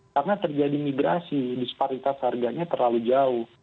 karena terjadi migrasi disparitas harganya terlalu jauh